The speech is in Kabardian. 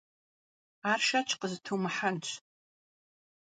Ар шэч къызытумыхьэнщ.